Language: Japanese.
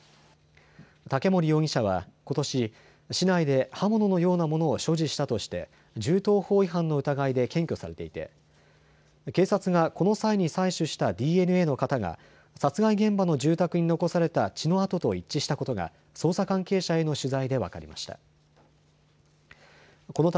竹森容疑者はことし、市内で刃物のようなものを所持したとして銃刀法違反の疑いで検挙されていて警察がこの際に採取したＤＮＡの型が殺害現場の住宅に残された血の痕と一致したことが捜査関係者への取材で分かりました。